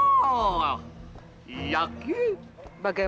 oh banyak sekali